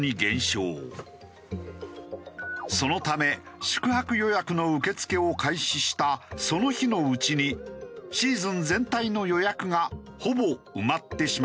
そのため宿泊予約の受け付けを開始したその日のうちにシーズン全体の予約がほぼ埋まってしまったのだという。